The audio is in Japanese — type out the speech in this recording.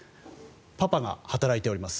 パパが働いています。